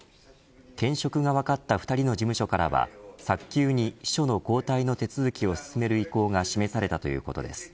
兼職が分かった２人の事務所からは早急に秘書の交代の手続きを進める意向が示されたということです。